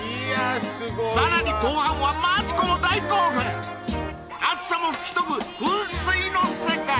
さらに後半はマツコも大興奮暑さも吹き飛ぶ噴水の世界